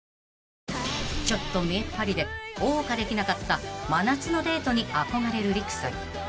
［ちょっと見栄っ張りで謳歌できなかった真夏のデートに憧れる利久さん］